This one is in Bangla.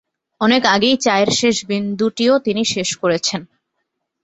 অনেক আগেই চায়ের শেষ বিন্দুটিও তিনি শেষ করেছেন।